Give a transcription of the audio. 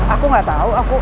aku gak tau